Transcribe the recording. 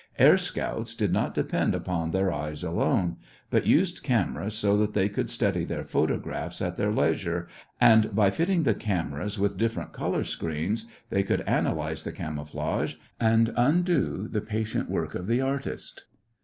Air scouts did not depend upon their eyes alone, but used cameras so that they could study their photographs at their leisure and by fitting the cameras with different color screens, they could analyze the camouflage and undo the patient work of the artist.